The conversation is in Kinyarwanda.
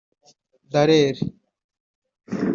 Dallaire